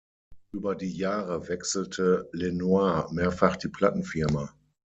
Über die Jahre wechselte Lenoir mehrfach die Plattenfirma.